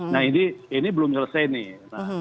nah ini belum selesai nih